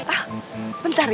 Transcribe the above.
ah bentar ya